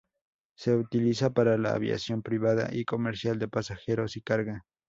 Se utiliza para la aviación privada y comercial de pasajeros y carga.